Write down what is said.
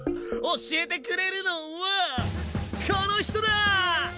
教えてくれるのはこの人だ！